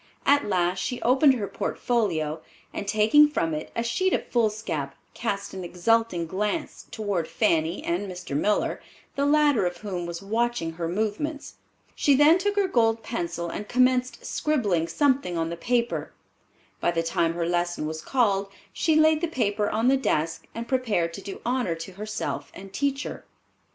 At last she opened her portfolio and, taking from it a sheet of foolscap, cast an exulting glance toward Fanny and Mr. Miller, the latter of whom was watching her movements. She then took her gold pencil and commenced scribbling something on the paper. By the time her lesson was called she laid the paper on the desk, and prepared to do honor to herself and teacher.